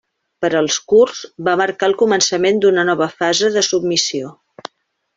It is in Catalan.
Per als kurds, va marcar el començament d'una nova fase de submissió.